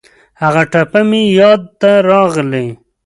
هغه ټپه مې یاد ته راغلې.